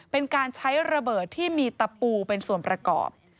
เป็นการใช้ระเบิดที่มีตะปูเป็นส่วนประกอบ